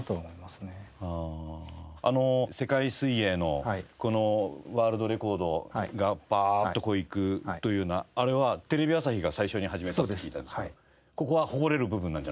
あの『世界水泳』のこのワールドレコードがバーッとこういくというのはあれはテレビ朝日が最初に始めたと聞いたんですがここは誇れる部分なんじゃ？